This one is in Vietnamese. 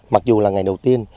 mặc dù là ngày đầu tiên